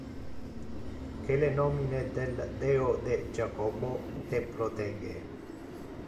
Que le nomine del Deo de Jacobo te protege!